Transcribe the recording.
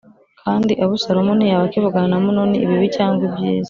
Kandi Abusalomu ntiyaba akivugana na Amunoni ibibi cyangwa ibyiza